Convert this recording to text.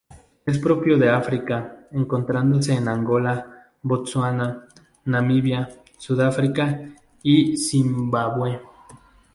Es propio de África, encontrándose en Angola, Botsuana, Namibia, Sudáfrica y Zimbabue.